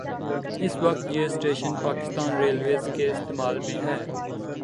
اس وقت یہ station Pakistan railways کے استعمال میں ہے